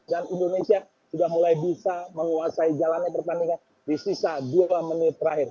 dan indonesia sudah mulai bisa menguasai jalannya pertandingan di sisa dua menit terakhir